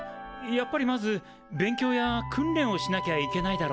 やっぱりまず勉強や訓練をしなきゃいけないだろうね。